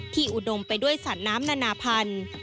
อุดมไปด้วยสัตว์น้ำนานาพันธุ์